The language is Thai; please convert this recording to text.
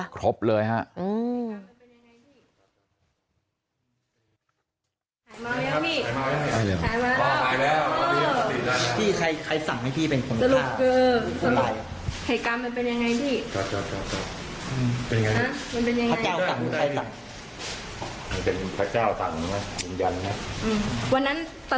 ครบเลยเหรอคะ